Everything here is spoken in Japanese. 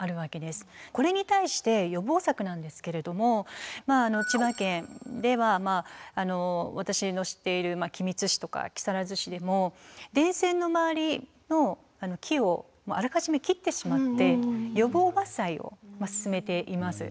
これに対して予防策なんですけれども千葉県ではまああの私の知っている君津市とか木更津市でも電線の周りの木をあらかじめ切ってしまって予防伐採を進めています。